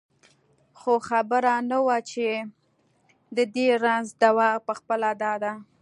خو خبره نه وه چې د دې رنځ دوا پخپله دا ده.